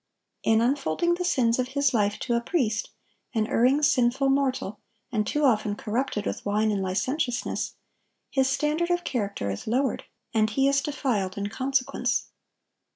In unfolding the sins of his life to a priest,—an erring, sinful mortal, and too often corrupted with wine and licentiousness,—his standard of character is lowered, and he is defiled in consequence.